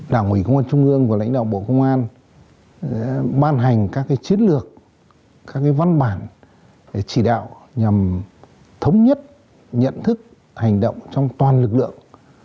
đảng ủy công an trung ương và lãnh đạo bộ công an ban hành các chiến lược các văn bản chỉ đạo nhằm thống nhất nhận thức hành động trong toàn lực lượng